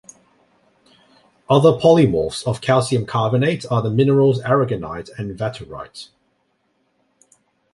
Other polymorphs of calcium carbonate are the minerals aragonite and vaterite.